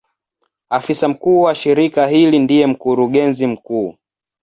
Afisa mkuu wa shirika hili ndiye Mkurugenzi mkuu.